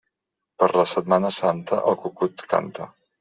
Per la Setmana Santa, el cucut canta.